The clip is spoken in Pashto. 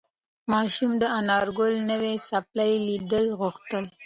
ماشوم د انارګل نوې څپلۍ لیدل غوښتل.